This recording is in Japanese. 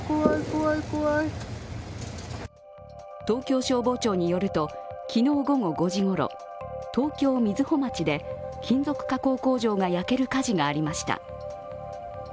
東京消防庁によると、昨日午後５時ごろ、東京・瑞穂町で金属加工工場が焼ける火事がありました。